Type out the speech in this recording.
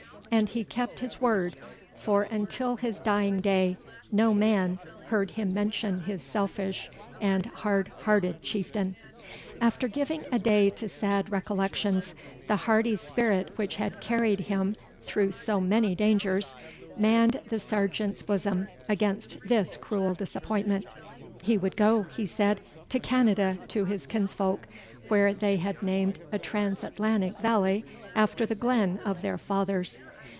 And he kept his word; for, until his dying day, no man heard him mention his selfish and hard hearted chieftain. After giving a day to sad recollections, the hardy spirit which had carried him through so many dangers, manned the Sergeant's bosom against this cruel disappointment. "He would go," he said, "to Canada to his kinsfolk, where they had named a Transatlantic valley after the glen of their fathers.